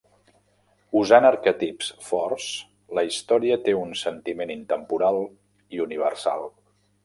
Usant arquetips forts, la història té un sentiment intemporal i universal.